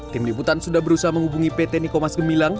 tim liputan sudah berusaha menghubungi pt nikomas gemilang